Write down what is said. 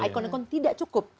icon icon tidak cukup